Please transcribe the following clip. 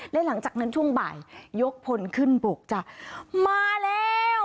และหลังจากนั้นช่วงบ่ายยกพลขึ้นบกจ้ะมาแล้ว